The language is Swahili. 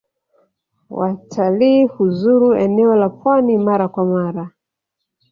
Watali huzuru enea la pwani mara kwa mara.